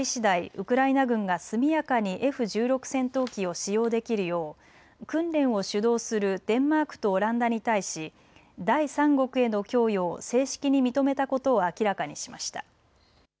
ウクライナ軍が速やかにＦ１６戦闘機を使用できるよう訓練を主導するデンマークとオランダに対し第３国への供与を正式に認めたことを明らかにしました。